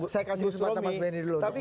saya kasih kesempatan mas benny dulu